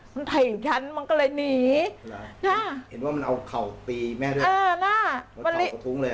มันเผ่งฉันมันก็เลยหนีน่ะเห็นว่ามันเอาเข่าตีแม่ด้วย